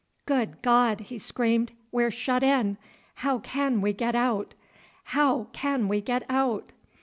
"Good God!" he screamed, "we're shut in. How can we get out? How can we get out?"